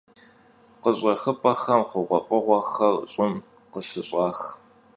Khış'exıp'exem xhuğuef'ığuexer ş'ım khışış'ax.